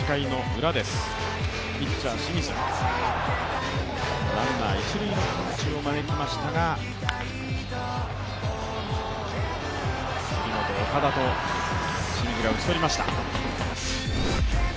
ランナー一塁のピンチを招きましたが、杉本、岡田と打ち取りました。